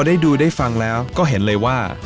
ได้ดูได้ฟังแล้วก็เห็นเลยว่า